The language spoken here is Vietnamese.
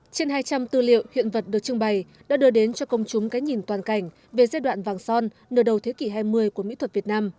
trên hai trăm linh tư liệu hiện vật được trưng bày đã đưa đến cho công chúng cái nhìn toàn cảnh về giai đoạn vàng son nửa đầu thế kỷ hai mươi của mỹ thuật việt nam